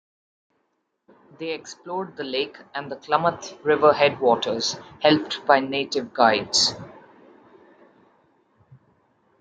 They explored the lake and the Klamath River headwaters, helped by native guides.